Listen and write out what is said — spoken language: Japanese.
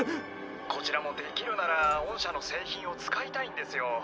こちらもできるなら御社の製品を使いたいんですよ。